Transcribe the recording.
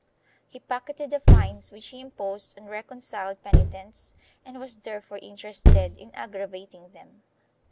He pocketed the fines which he imposed on reconciled penitents and was therefore interested in aggravating them.